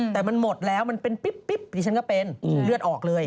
แต่มันหมดแล้วมันเป็นปิ๊บดิฉันก็เป็นเลือดออกเลย